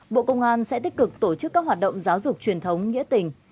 bộ công an sẽ tích cực tổ chức các hoạt động giáo dục truyền thống nghĩa tình